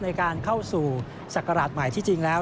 ในการเข้าสู่ศักราชใหม่ที่จริงแล้ว